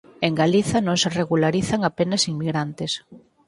En Galiza non se regularizan apenas inmigrantes.